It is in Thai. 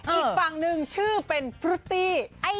อีกฝั่งหนึ่งชื่อเป็นพริตตี้